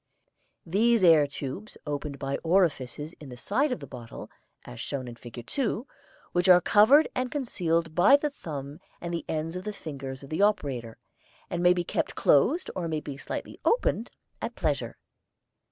These air tubes open by orifices in the side of the bottle, as shown in Fig. 2, which are covered and concealed by the thumb and the ends of the fingers of the operator, and may be kept closed or may be slightly opened at pleasure.